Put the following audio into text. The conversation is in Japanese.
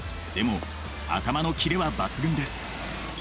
でも頭のキレは抜群です。